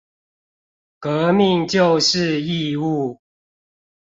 革命就是義務